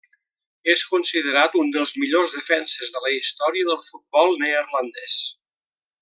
És considerat un dels millors defenses de la història del futbol neerlandès.